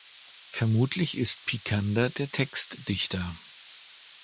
Vermutlich ist Picander der Textdichter.